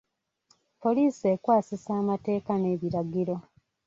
Poliisi ekwasisa amateeka n'ebiragiro.